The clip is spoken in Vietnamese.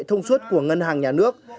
thông suất của ngân hàng nhà nước